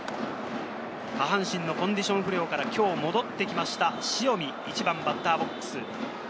下半身のコンディション不良から今日戻ってきました、塩見、１番バッターボックス。